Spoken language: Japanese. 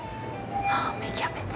ああ、芽キャベツ。